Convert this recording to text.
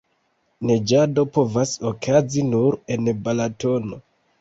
Naĝado povas okazi nur en Balatono.